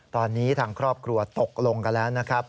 ตอนนี้ทางครอบครัวตกลงกันแล้วนะครับ